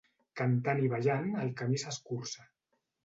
Cantant i ballant el camí s'escurça.